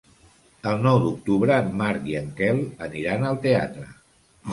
El nou d'octubre en Marc i en Quel aniran al teatre.